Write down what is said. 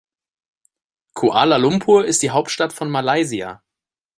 Kuala Lumpur ist die Hauptstadt von Malaysia.